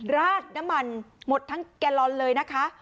ราดน้ำมันหมดทั้งแกลลอนเลยนะคะ